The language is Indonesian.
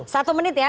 satu menit ya